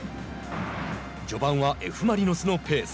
序盤はＦ・マリノスのペース。